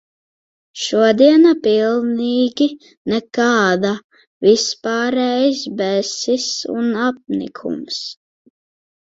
Šodiena pilnīgi nekāda, vispārējs besis un apnikums.